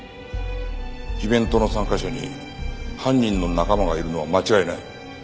イベントの参加者に犯人の仲間がいるのは間違いない。